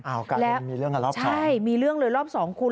กลายเป็นมีเรื่องกันรอบสองใช่มีเรื่องเลยรอบสองคุณ